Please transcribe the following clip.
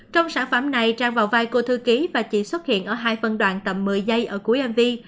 trong sản phẩm này trang vào vai cô thư ký và chỉ xuất hiện ở hai phân đoạn tầm một mươi giây ở cuối mv